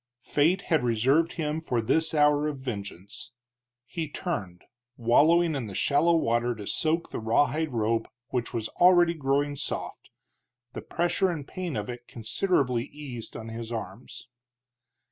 Fate had reserved him for this hour of vengeance. He turned, wallowing in the shallow water to soak the rawhide rope, which was already growing soft, the pressure and pain of it considerably eased on his arms.